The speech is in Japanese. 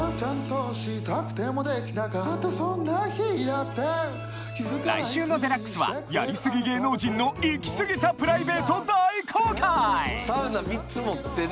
来週の『ＤＸ』はやりすぎ芸能人の行き過ぎたプライベート大公開！